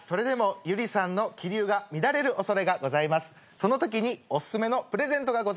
そのときにおすすめのプレゼントがございます。